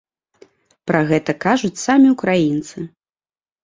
Пра гэта кажуць самі ўкраінцы.